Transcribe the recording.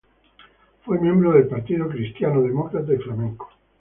Fue miembro del partido Cristiano Demócrata y Flamenco.